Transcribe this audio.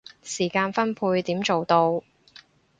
時間分配點做到